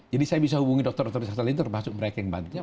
jadi saya bisa hubungi dr dr dr linder masuk mereka yang bantunya